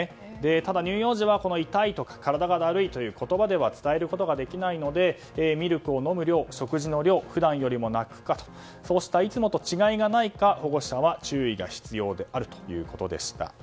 ただ、乳幼児は痛いとか体がだるいという言葉で伝えることができないのでミルクの飲む量、食事の量普段よりも泣くかなどいつもと違いがないか保護者は注意が必要であるということでした。